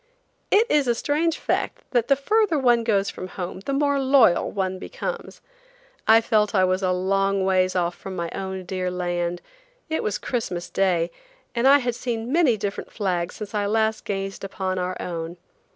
It is a strange fact that the further one goes from home the more loyal one becomes. I felt I was a long ways off from my own dear land; it was Christmas day, and I had seen many different flags since last I gazed upon our own.